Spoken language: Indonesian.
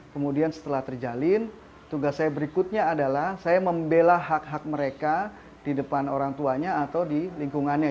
kemudian setelah terjalin tugas saya berikutnya adalah saya membela hak hak mereka di depan orang tuanya atau di lingkungannya